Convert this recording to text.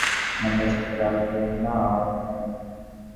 ওটা একটা দানব আর ওটাকে আমরা সাথে রাখব না।